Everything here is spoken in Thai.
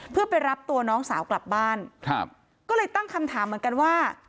เพื่อไปรับตัวน้องสาวกลับบ้านครับก็เลยตั้งคำถามเหมือนกันว่า